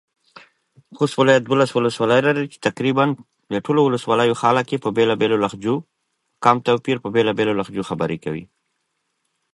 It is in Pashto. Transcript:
زړه د صادقو خبرو سره نرموالی پیدا کوي.